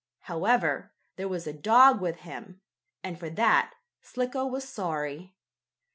However, there was a dog with him, and for that, Slicko was sorry.